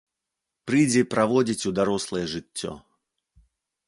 Прыйдзе праводзіць у дарослае жыццё.